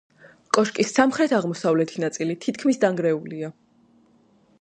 კოშკის სამხრეთ-აღმოსავლეთი ნაწილი თითქმის დანგრეულია.